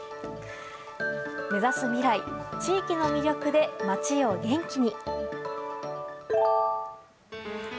目指す未来地域の魅力で町を元気に。